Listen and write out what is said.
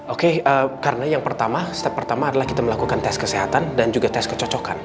oke karena yang pertama step pertama adalah kita melakukan tes kesehatan dan juga tes kecocokan